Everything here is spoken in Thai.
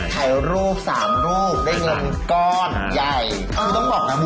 ถ่ายรูป๓รูปได้เงินก้อนใหญ่